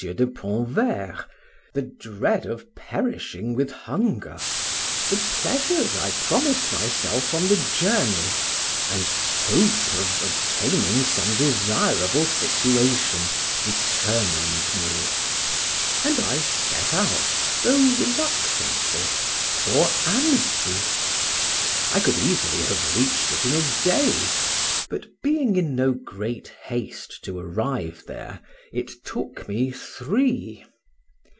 de Pontverre, the dread of perishing with hunger, the pleasures I promised myself from the journey, and hope of obtaining some desirable situation, determined me; and I set out though reluctantly, for Annecy. I could easily have reached it in a day, but being in no great haste to arrive there, it took me three.